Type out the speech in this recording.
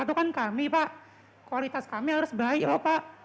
itu kan kami pak kualitas kami harus baik lho pak